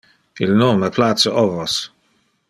Il non me place ovos.